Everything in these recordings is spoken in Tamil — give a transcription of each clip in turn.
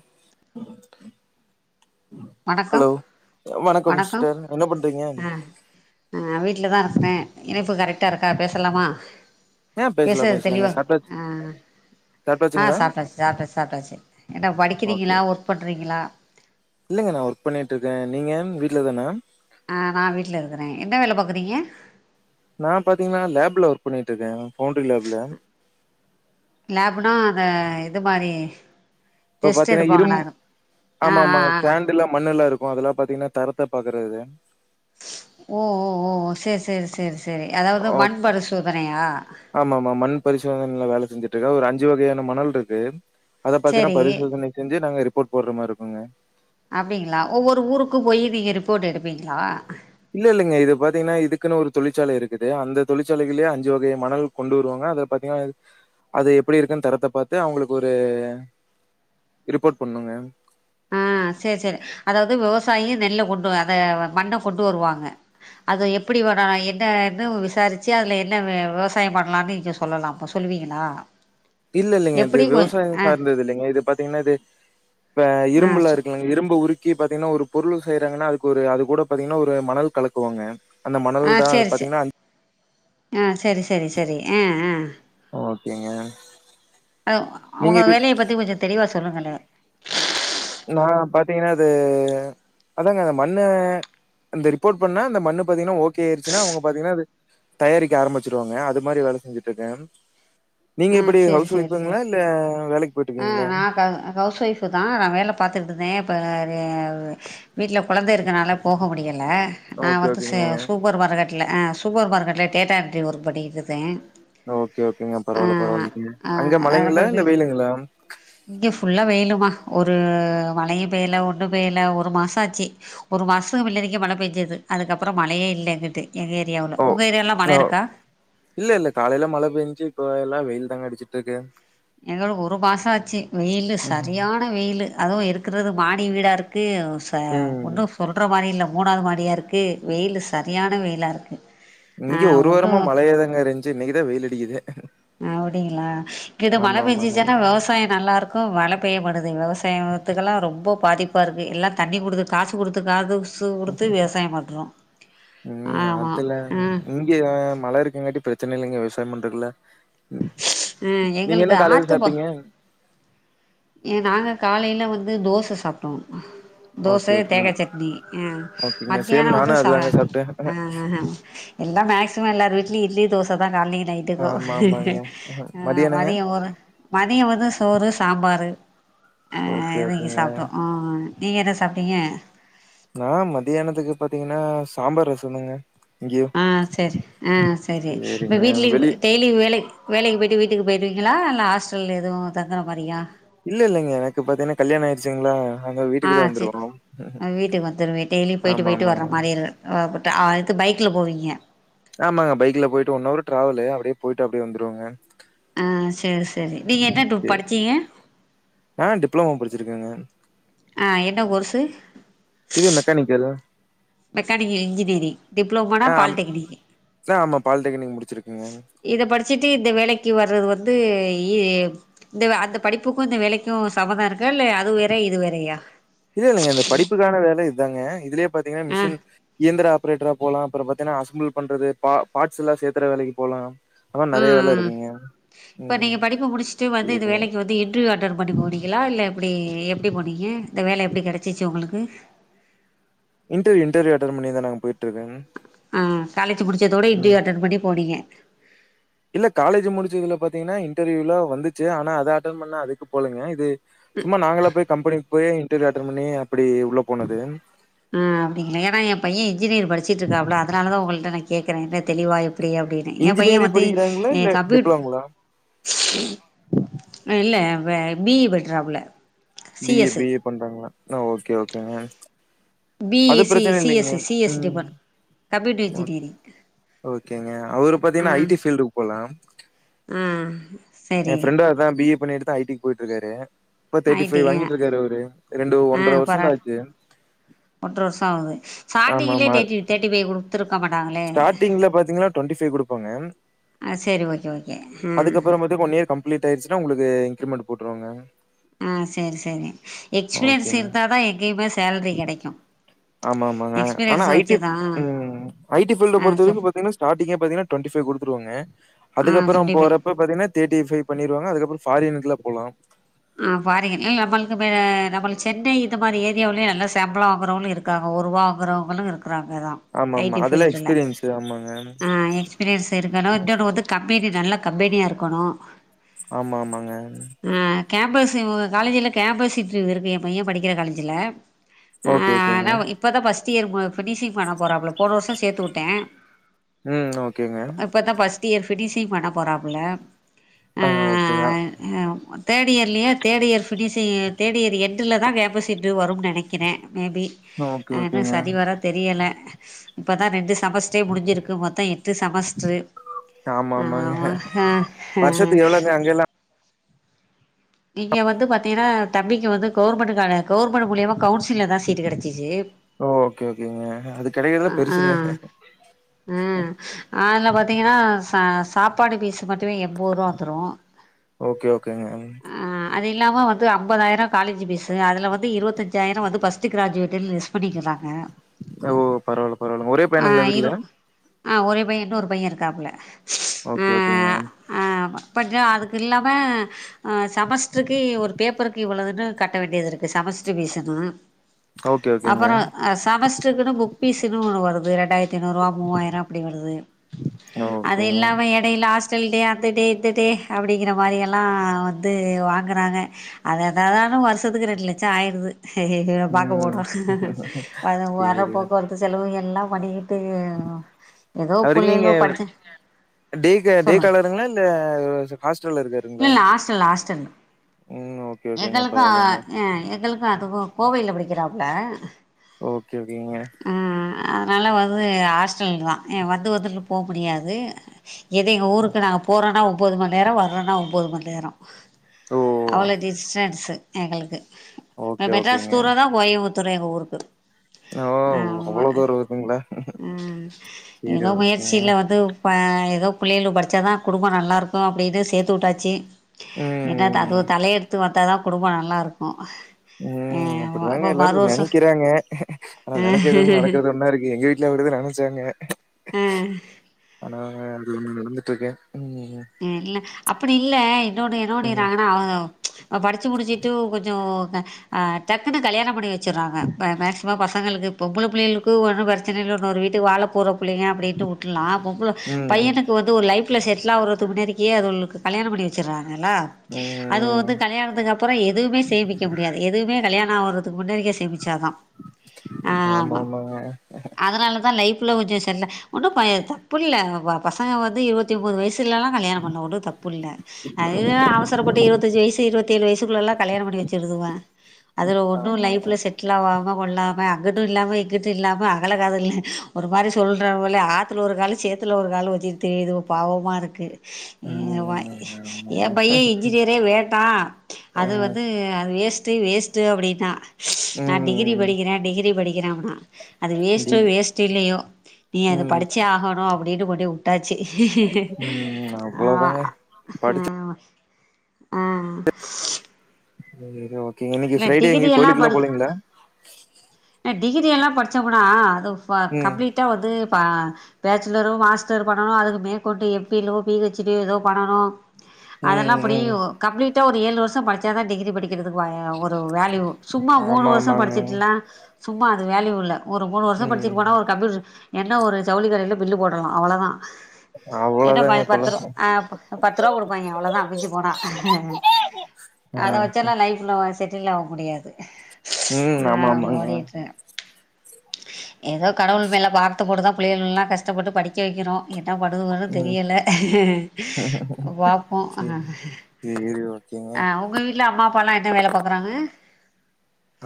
ம் ம் வணக்கம் ஹலோ வணக்கம் சிஸ்டர் என்ன பண்றீங்க ஆ வீட்ல தா இருக்கிறே இணைப்பு கரெக்டா இருக்கா பேசலாமா ஆ பேசலா பேசறது பேசலாங்க தெளிவா சாப்ட்டாச் ஆ ஆ சாப்ட்டாச்சுங்களா சாப்ட்டாச்சு சாப்டாச்சு சாப்டாச்சு என்ன படிக்கிறீங்ளா ஒர்க் பண்றீங்ளா இல்லிங்க நா ஒர்க் பண்ணிட்டு இர்க்கே நீங்க வீட்ல தானா ஆ நா வீட்ல இருக்கிறே என்ன வேலை பாக்குறீங்க நா பாத்தீங்ன்னா லேப்ல ஒர்க் பண்ணிட்டு இருக்கே பவுண்டரி லேப்ல லேப்னா அந்த இது மாரி இப்போ டெஸ்ட் பார்த்தீன்னா இரும் எடுப்பாங்களா அது ஆ ஆமா ஆ ஆமா ஆ சேண்டுல்லா மண்ணுல்லா இருக்கு இப்ப அதெல்லா பாத்தீங்கன்னா தரத்த பாக்குறது ஓ ஓ ஓ சேர் சேர் சேர் சேரி அதாவுது மண் பரிசோதனையா ஆமாம்மா மண் பரிசோதனைல வேல செஞ்சுட்டு இருக்க ஒரு அஞ்சு வகையான மணல் இருக்கு அத பாத்தீன்னா சேரி பரிசோதனை செஞ்சு நாங்க ரிப்போர்ட் போடுற மாதிரிக்குங்க அப்டிங்ளா ஒவ்வொரு ஊருக்கு போய் நீங்க ரிப்போர்ட் எடுப்பீங்ளா இல்ல இல்லீங்க இது பாத்தீங்ன்னா இதுக்குன்னு ஒரு தொழிற்சாலை இருக்குது அந்த தொழிற்சாலையிலே அஞ்சு வகை மணல் கொண்டு வருவாங்க அத பாத்தீங்கன்னா அது எப்டி இருக்குன்னு தரத்த பாத்து அவுங்களுக்கு ஒரு ரிப்போர்ட் பண்ணுங்க ஆ சேர் சேர் அதாவுது விவசாயிங்க நெல்ல கொண்டு அத மண்ண கொண்டு வருவாங்க அத எப்டி வேணா பண்ணலா என்னன்னு விசாரிச்சு அதில என்ன விவசாயோ பண்ணலானு நீங்க சொ சொல்லலா அப்ப சொல்லுவீங்ளா இல்லெல்லைங்க இது விவசாயோ ஆ சார்ந்தது இல்லைங்க இது பாத்தீங்கன்னா இது ப்ப ஆ இரும்புல சொ இருக்குலங்க இரும்பு உரி க்கி பாத்தீங்கன்னா ஒரு பொருள் செய்றாங்கன்னா அதுக்கு ஒரு அது கூட பாத்தீங்கன்னா ஒரு மணல் கலக்குவாங்க அந்த மணல் ஆ தா அது சேரி சே பாத்தீங்கன்னா ஆ செரி செரி செரி ஆ ஆ ஓகேங்க. அ நீங்க உங்க வி வேலய பத்தி கொஞ்சொ தெளிவா சொல்லுங்கள்லே நா பாத்தீங்கன்னா அது அதாங்க அந்த மண்ண இந்த ரிப்போட் பண்ணா அந்த மண்ணு பாத்தீங்கன்னா ஓகே ஆய்ருச்சுனா அவுங்க பாத்தீங்கன்னா அது தயாரிக்க ஆரம்மிச்சிருவாங்க அது மாரி வேல செஞ்சுட்ருக்கே நீங்க ஆ எப்டி சேரி ஹவுஸ் சேரி ஒய்ஃப்ஃபுங்ளா சேரி இல்ல வேலைக் ஆ நா க கவுஸ் ஒய்ஃப் புதா நா வேல பாத்துட்ருந்தே இப்ப வீட்ல கொழந்த இருக்கனால போக முடியல நா ஓகே, வந்து சே ஓகேங்க. சூப்பர் மாருக்கெ ட்ல ஆ சூப்பர் மார்க்கெட்ல டேட்டா எண்ட்ரி ஒர்க் பண்ணிட்ருந்தே ஓகே ஓகேங்க பரவால்ல பரவால்லிங்க ஆ அங்க மழைங்ளா இல்ல வெய்லுங்ளா இங்க ஃபுல்லா வெயிலுமா ஒரு மழயு பெய்ல ஒன்னு பெய்ல ஒரு மாசோ ஆச்சு ஒரு மாசோ புல்லரிக்க மழ பேஞ்சுது அதுக்கப்றோ மழயே இல்ல இங்கிட்டு எங்க ஏரியாவுல உங்க ஏரியால்லா மழருக்கா இல்லெல்ல காலைல மழ பேஞ்சு இப்பெல்லா வெயில் தாங்க அடிச்சிட்ருக்கு எங்களுக்கு ஒரு மாசோ ஆச்சி வெயிலு ம் சரியா ன வெயிலு அதுவு இருக்குறது மாடி வீடாருக்கு ச ம் ஒன்னு சொல்ற மாரி இல்ல மூனாவ்து மாடியாருக்கு வெயிலு சரியான வெயிலாருக்கு இங்க ஒரு வாரமா மழயாதாங்க இருன்ச்சு இன்னக்கிதா வெயிலடிக்கிது அப்டிங்ளா இங்கிட்டு மழ பேஞ்சுச்சுனா வெவசாயோ நல்லாரு க்கு மழ பெய்ய மாட்டுது விவசாயோத்துகல்லா ரொம்ப பாதிப்பாருக்கு எல்லா தண்ணி குடுத்து காசு குடுத்து காதுஸ் சு குடுத்து விவசாயோ பண்றோ ஆமா ஆ ஆ மழ இருக்கங்காட்டி பிரச்சன இல்லங்க விவசாயோ பண்றக்குல ம் நீங்க என்ன எங்களுக்கு காலைல சாப்ட்டீங்க எ நாங்க காலைல வந்து தோச சாப்ட்டோ ஓகே தோச ஓகே தேங்கா சட்னி ஆ ஓகேங்க மதியானோ சேம் நானு வந்து சா அதுதாங்க சாப்ட்டே ஆ ஆ எல்லா மேக்சிமம் எல்லார் வீட்லி இட்லி தோச தா கால்லயு நை ட்டுக்கு ஆமா ஆமாங்க ஆ மதியானங்க மதியோ ஒரு மதியோ வந்து சோறு சாம்பாரு ஆ ஓகே இதுங்கி ஓகேங்க சாப்ட்டோ ஆ நீங்க என்ன சாப்ட்டீங்க நா மதியானத்துக்கு பாத்தீங்கன்னா சாம்பார் ரசோ தாங்க ஆ செரி ஆ செரி ப்ப சேரிங்க வீட்லி வெளி டெய்லி வேலை வேலைக்கு போயிட்டு வீட்டுக்கு போய்டுவீங்களா இல்ல ஆஸ்டல்ல எது தங்குற மாரியா இல்லெல்லங்க எனக்கு பாத்தீங்கன்னா கல்யாணோ ஆய்ருச்சுங்ளா ஆ சேர் அ வீட்டுக்கு வந்துருவே டெய்லி போய்ட்டு ஆமா போய்ட்டு ஆமாங்க வர மாரிர் தேவப்பட்டா அத்து பைக்ல போவீங்க ஆமாங்க பைக்ல போய்ட்டு ஒன்னவரு ட்ராவலு அப்டே போய்ட்டு அப்டே வந்துருவங்க ஆ சேர் சேரி நீங்க என்ன குரூப் படிச்சிங்க நா டிப்ளோமோ படிச்சிருக்கேங்க ஆ என்ன கோர்ஸு இது மெக்கானிக்கல் மெக்கானிக்கல் இன்ஜினியரிங் டிப்ளோமோனா ஆ ஆம் பாலிடெக்னிக் ஆமா பாலிடெக்னிக் முடிச்சிருக்குங்க இத படிச்சிட்டு இந்த வேலைக்கு வர்றது வந்து இ இந்த அந்த படிப்புக்கு இந்த வேலைக்கு சம்மந்தம் இருக்கா இல்ல அது வேற இது வேறயா இல்லல்லைங்க இந்த படிப்புக்கான வேல இதுதாங்க இதுலயே பாத்தீங்கன்னா ஆ மிஷின் இயந்திர ஆப்ரேட்டரா போலா அப்றம் பாத்தீங்கன்னா அசம்பிள் பண்றது பார்ட்ஸ்ல்லா சேத்தற வேலைக்கு போலா அதா நெறைய ம் வேல ம் இருக்குங்க ம் இப்ப ம் நீங்க படிப்பு முடிச்சுட்டு வந்து இந்த சேரிங்க வேலைக்கு வந்து இன் ட்ர்வியூ அட்டன் பண்ணி போனீங்களா இல்ல எப்டி எப்டி போனீங்க இந்த வேல எப்டி கெடச்சிச்சு உங்களுக்கு இன்ட்ர்வியூ இன்டர்வியூ அட்டன் பண்ணி தா நா போயிட்டு இருக்கங்க ஆ காலேஜ் முடிச்சதோட இன்ட்ரிவ்யு அட்டென் பண்ணி போனீங்க இல்ல காலேஜ் முடிச்சதுல பாத்தீங்கன்னா இன்டர்வியூலா வந்துச்சு ஆனா அதை அட்டென் பண்ணல அதுக்கு போலைங்க இது சும்மா நாங்களா போய் கம்பெனிக்கு போய் இன்டர்வியூ அட்டன் பண்ணி அப்டி உள்ள போனது ம் அப்டிங்களா ஏன்னா என் பையன் இன்ஜினியர் படிச்சுட்டுருக்காப்ல அதனாலாதா ஒங்கள்ட்ட நா கேக்கறே என்ன தெளிவா எப்டி எப்டின்னு என் பையன் இன்ஜினியரிங் வந்து படிக்கிறாங்களா? இல்ல கம்ப்யூ டிப்ளோங்களா? இல்ல பி இ பண்றாப்புல C B A S B A பண்றாங்களா ஓகே ஓகேங்க பி அது இ சி பிரச்சன சி இல்லைங்க எஸ் சி எஸ் ம் டிபார்ட் கம்ப்யூட்டர் ஓக் இன்ஜினியரிங் ஓகேங்க அவரு ஆ பாத்தீங்கன்னா ஐ டி ஃபீல்டுக்கு போலா ஆ என் சரி ஃப்ரெண்டு அதா பி இ பண்ணிட்டு தா ஐடிக்கு போயிட்டு இருக்காரு இப்ப ஐ தேட்டி ஃபை டி ஆ வாங்கிட்டுருக்காரு அவரு ரெண்டு ஆ ஒன்றரை வருஷந்தா பரவால்ல ஆச்சு ஒன்றரை வருஷ ஆகுது சாடிங்கலயே தேர்ட்டி தேர்ட்டி ஃபை குடுத்து குடுத்துருக்க மாட்டாங்களே ஸ்டார்டிங்ல பாத்தீங்கன்னா ட்வெண்டி ஃபை குடுப்பாங்க ஆ செரி ஓகே ஓகே ம் அதுக்கப்புறம் மட்டுக்கு ஒன் இயர் கம்பிளிட் ஆயிருச்சுன்னா உங்களுக்கு இன்கிரிமென்ட் போட்டுருவங்க அ சரி சரி எக்ஸ்பீரியன்ஸ் ஓகேங்க. இருத்தாதா எங்கயுமே சேலரி கிடைக்கு ஆமா ஆமாங்க ஆனா ஐ டி ம் ஐ டி ஃபீல்டு ஆ சொல் பொறுத்தவரைக்கு பாத்தீங்கன்னா ஸ்டார்டிங்கே பாத்தீங்ன்னா ட்வெண்டி ஃபை குடுத்துடுவங்க ஆ அதுக்கப்புற சுண்டிபை போற ப்ப பாத்தீங்கன்னா தேர்டி ஃபை பண்ணிருவாங்க அதுப்புற பாரின்க்குலா போலா ஆ ஃபாரின்ல ஏ நம்மளுக்கு நம்ம சென்னை இந்த மாதிரி ஏரியாவலயு நல்லா சம்பள வாங்கறவங்களு இருக் ருக்காக ஒருவா வாக்குறவங்களு இருக்கிறாங்கதா ஐ ஆமாமா. டி அதெல்லாம் ஃபீல்டுல எக்ஸ்பீரியன்ஸு. ஆமாங்க. ஆ எ எக்ஸ்பீரியன்ஸ் இருக்கணு இன்னொன்னு வந்து கம்பெனி நல்ல கம்பெனியா இருக்கணு ஆமா ஆமாங்க ஆ கேம்பஸ் இவங்க காலேஜ்ல கேம்பஸ் இண்டர்வியூ இருக்கு என் பைய படிக்கிற காலேஜ்ல ஆ ஓகே ஆனா ஓகேங்க இப்பதா ஃபஸ்ட் இயர் ஃபினிஷிங் பண்ண போறப்புல போன வருஷ சேர்த்து விட்டே ம் ஓகேங்க இப்பதா ஃபர்ஸ்ட் இயர் பினிஷி்ங் பண்ண போறாப்புல ஆ ஓகேதா ஹமா தேர்ட் இயர்லையே third year finishing third year என்ட்ல் தா கேம்பஸ் இண்டர்வியூ வரும்னு நினைக்கிறே மேபி ஓகே, ஆனா ஓகேங்க. சரி வரா தெரியல இப்பதா ரெண்டு செமஸ்ட்ரே முடிஞ்சிருக்கு மொத்தம் எட்டு செமஸ்ட்ரு ஆமா, ஆமாங்க. ஆ ஹஹ வருஷத்துக்கு எவ்வளோங்க அங்கலாம்? நீங்க வந்து பாத்தீங்கன்னா தம்பிக்கு வந்து கவர்மெண்ட்டக்கான கவர்மெண்ட் மூலியமா கவுன்சிங்ல்ல தா சீட் கெடைச்சிச்சு ஓ ஓகே ஓகேங்க அது கிடைக்கறதே பெருசுங்க அ அதுல பாத்தீங்கனா ச சாப்பாடு பீஸ் மட்டுமே எண்பத்ரூவா வந்துரு ஓகே ஓகேங்க ம் ஆ அது இல்லாம வந்து அம்பதாயிரொ காலேஜ் பீஸ் அதிலவந்து இருவத்தஞ்சாயிரொ வந்து ஃபர்ஸ்ட் கிராஜுவேஷன் படிக்கிறாங்க ஓ! பரவால்ல, பரவால்லங்க. ஒரே ஆ பையனுங்களா வீட்ல? இரு ஆ ஒரே பைய இன்னொரு பைய இருக்காப்ல ஓகே ஓகேங்க ஆமா பட்டு அதுக்கில்லாம அ செமஸ்டருக்கு ஒரு பேப்பருக்கு இவ்வளோதுன்னு கட்ட வேண்டியது இருக்கு செமஸ்டரு பீஸூன்னு ஓகே, ஓகேங்க. அப்றொ அ செமஸ் சக்குன்னு புக் பீஸ்ன்னு ஒன்னு வருது ரெண்டாயிரத்திஐநூறுவா மூவாயிரொ அப்டி வருது அது ஓகேங்க. இல்லாம எடைல ஹாஸ்டல் டே அந்த டே இந்த டே அப்டிங்கிற மாரி எல்லா வந் வந்து வாங்கறாங்க அது என்னதான்னு வருஷத்துக்கு ரெண்டு லட்சொ ஆயிடுது இத பாக்க ம் ஓடுறோ அதுங் வர சேரிடா போக்குவரத்து செலவு எல்லா பண்ணி ம் எதோ அவரு எங்கங்க பிள்ளைகலோ படிச்சிரு டே கா டேக்காலருங்களா இல்ல ஹாஸ்டல்ல இல்ல இருக்காருங்களா இல்ல ஹாஸ்டல் ம் ஓகே ஓகேங்க எங்களுக்கு பரவாயில்லைங்க எங்களுக்கு அதுக்கு கோவைல படிக்கிறாப்ல ஓகே ஓகேங்க ஆ அதனால வந்து ஹாஸ்டல்க்குதா இங்க வந்து வந்துட்டுலா போ முடியாது எது எங்க ஊருக்கு நாங்க போறோனா ஒன்பது மணி நேரூ வர்றோனா ஒன்பது மணி நேரொ ஓ அவ்ளோ டிஸ்டன்ஸ்சு எங்களுக்கு ஓகே அ மெட்ராஸ் ஓகேங்க தூரதா கோயம்புத்தூர்ல எங்க ஊருக்கு ஓ அ ஆமா அவ்ளோ தூரோ வருதுங்களா ம் சேரி ஏதோ ஓகேங்க முயற்சியில்ல வந்து அ ஏதோ பிள்ளைளுவோ படிச்சதா குடும்பொ நல்லாயிருக்கு அப்டினு சேத்து விட்டாச்சு என்னத ம் அதுவ தலையெடுத்து வந்தாதா குடும்பொ நல்லாருக்கு ம் ஆமா அப்போ அப்டிதாங்க மறு எல்லாரு வருஷோ நெனைக்கிறாங்க ஆனா நெனைக்கதொன்னு நடக்கறதொன்னா இருக்கு எங்க வீட்டு இல்ல அப்டியா நானு சொன்ன ஆ ஆனா அதுன்ன நடந்துட்ருக்கேன் ம் ம் ம் இல்ல அப்படி இல்ல என்னோட ம் என்னோடறாங்கனா அவ்லத நா படிச்சு முடிச்சுட்டு ஒ கொஞ்சொ ஆ டக்குனு கல்யாண பண்ணி வெச்சுறாங்க மேக்சிமம் பசங்களுக்கு பொம்பளபிள்ளயளுக்கு ஒன்னு ப்ரச் சனை இன்னொரு வீட்டு வாழ போற புள்ளைங்க அப்டின்ட்டு உட்டு்ல்லா பொம்பள ம் பையனுக்கு வந்து ஒரு லைஃப்ல செட்டில் ஆவரத்துக்கு முன்னாக்கியே அதுவளுக்கு கல்யாண பண்ணி வச்சிராங்க ல ம் அதுவ ம் வந்து கல்யாணத்துக்கு அப்பறொ எதுவுமே சேமிக்க முடியாது எதுவுமே கல்யாண ஆவறத்துக்கு முன்னோக்கியே சேமிச்சாதா ஆ ஆமா அதனாலதா லைஃப்ல கொஞ்ச செல்ல ப ஒன்னு தப்பில்ல பசங்க வந்து இருபத்தி ஒன்பது வயசு இதலலா கல்யாண பண்ணா கூட தப்பில்ல அதுக்குதா அவசரப்பட்டு இருவத்தஞ்சு வய்ஸு இருவத்தேழு வயசுக்குள்ளலா கல்யாண பண்ணி வச்சிருதுவா அதுல ஒன்னு ஆமாங்க லைஃப்ல செட் சொல்லாம கொல்லாம அங்குட்டு இல்லாம இங்குட்டு இல்லாம அகல காதல் ஒரு மாரி சொல்றாவல ஆத் த்துல ஒரு காலு சேத்துல ஒரு காலு வச்சுகிட் திரியிதுவ பாவமாருக்கு வ ம் ஏ ஆமாங்க பைய இன்ஜினியரே வேண்டா அது ஆ வந்து அது வேஸ்ட்டு வேஸ்ட் த்து அப்டித்தா நா டிகிரி ம் படிக்கிறே டிகிரி படிக்கிறே னா அது டி வேஸ்ட்டோ வேஸ்ட்டு இல்லியோ நீ அது ம் படிச்சே ஆகணோ அப்படின்ட்டு கொண்டபோய் உட்டாச்சு ம் அவ்ளோதாங்க ஆமா அ ஆ எயிந்திரிக்கிலியா ஓகே இன்னிக்கி இல்லை டிகிரி ஃப்ரைடேங்க கோயிலுக்குல்லா போலீங்களா எ டிகிரி எல்லாம் படிச்சோ கூடா அது பா ம் கம்ப்ளீட்டா வந்து பா பேச்சுலரூ மாஸ்டர் பண்ணனும் அதுக்கு மேற்கொண்டு எம் பீலோ பி ஹெச் டீயோ ஏதோ பண்ணனூ அதெல்லா ம் அப்படி ம் ஒ கம்ப்ளீட்டா ஒரு ஏழு வருஷோ படிச்சா தா டிகிரி படிக்கிறதுக்கு பய ஒரு வேல்யூ சும்மா மூணு ஆமா வருஷோ ஆமாங்க படிச்சட்டுலா சும்மா அது வேலயூ இல்ல ஒரு மூணு வருஷோ படிச்சிட்டு ம் போனா ஒரு கம்ப்யூட்டர் என்ன ஒரு ஜவுளி கடயில பில்லு போடலா அவ்ளதா ஏன்னா பா அவ்ளோதாங்க பத்து இப்பல்லா ரூபா ஆ பத்து ரூபா கொடுப்பாங்க அவ்ளதா மிஞ்சி போனா ஆ அத வெச்சல்லா லைஃப்ல செட்டில் ஆவ் முடியாது ம் ஆமா அப்டி ஆமாங்க ஓடிட்டிருக் ஹ ஏதோ கடவுள் மேல பாரத்த போட்டுதா புள்ளைங்கள்லா கஷ்டப்பட்டு படிக்க வெக்கிறோ என்னா பன்றதுன்னு ஒண்ணூ ம் தெரியல பாப்போ இரு இரு ஒர்க்கிங்ஙா இல்ல அம்மா அப்பாலா என்ன வேல பாக்குறாங்க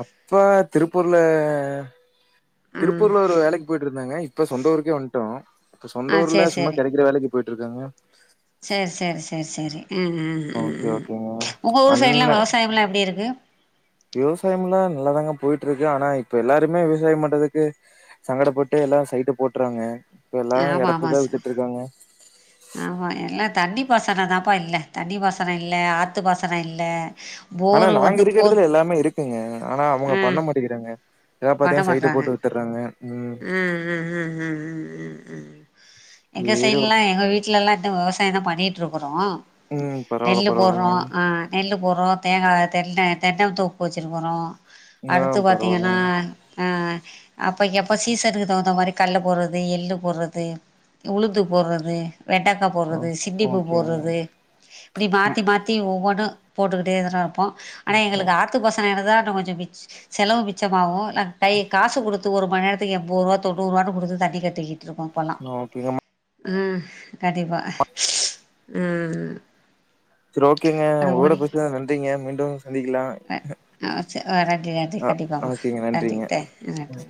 அப்பா திருப்பூர்ல ஆ திருப்பூர்ல ஒரு வேலைக்கு போயிட்டு இருந்தாங்க இப்ப சொந்த ஊருக்கே வந்ட்டோ இப்ப சொந்த ஆ சரி ஊர்ல சும்மா கெடைக்கிற வேலைக்கு போயிட்டு இருக்காங்க செர் செர் செர் செரி அ அ ஓகே அ ஓகேங்க உங்க ஊர் சைட்லா விவசாயம்லா எப்டி இருக்கு விவசாயம்ல்லா நல்லாதாங்க போயிட்டு இருக்கு ஆனா இப்ப எல்லாருமே விவசாயோ பண்றதுக்கு சங்கடப்பட்டு எல்லா சைட்டு போட்றாங்க இப்ப எல்லா எடத்ததா வித்துட்டு இருக்காங்க ஆமா எல்லா தண்ணி பாசனோ தாம்ப்பா இல்ல தண்ணி பசனோ இல்ல ஆத்து பாசனோ இல்ல ஆனா நாங்க இருக்க எடத்துல எல்லாமே இருக்குங்க ஆனா அவங்க ம் பண்ண மாட்டோங்கிறாங்க எதா பண்ண பாத்தியா சைட்டு மாட்றாங்க போட்டு வித்துட்றாங்க ம் ம் ம் ம் ம் ம் எங்க சேரி ஓ சைட்லலா எங்க வீட்லல்லா இன்னூ விவசாயோ தா பண்ணிட்டுருக்குறோ ம் பரவால்ல நெல்லு பரவால்லங்க போட்றோ ஆ நெல்லு போறோ தேங்கா தென்ன தென்ன தோப்பு வச்சுருக்குறோ ஆ அடுத்து பாத்தீங்ன்னா பரவால்லங்க அ அப்பைக்கு அப்ப சீசனுக்கு தகுந்தா மாதிரி கல்ல போட்றது எள்ளு போட்றது உளுந்துப் போட்றது வெண்டக்கா ஆ போட்றது சிண்டி பூ ஓகேங்க போட்றது இப்டி ம் மாத்தி மாத்தி ஒவ்வொன்னு போட்டுக்கிட்டே தா இருப்போ ஆனா ஓ எங்களுக்கு ஆ த்து பாசனங்க தா இன்னூ கொஞ்சோ மிச் செலவு மிச்சமாகோ இல்ல கை காசு குடுத் த்து ஒரு மண் நேரத்துக்கு எம்பது ரூபா தொண்ணூற் ரூபான்னு குடுத்து தண்ணி கட்டிக்கிட்டு இருக்கோ இப்பெலா ஓகேங் மா அ கண்டிப்பா அ செரி ஓகேங்க உங்களோட பேசுனது நன்றிங்க மீண்டும் சந்திக்கலா அ ஓ செர் நன்றி நன்றி ஆ கண்டிப்பா ஓகேங்க நன்றி நன்றிங்க தெ நன்றி